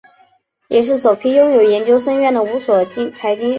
也是首批拥有研究生院的五所财经高校之一。